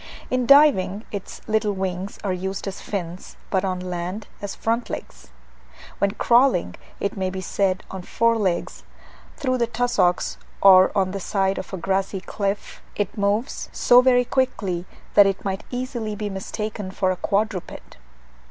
In diving, its little wings are used as fins; but on the land, as front legs. When crawling, it may be said on four legs, through the tussocks or on the side of a grassy cliff, it moves so very quickly that it might easily be mistaken for a quadruped.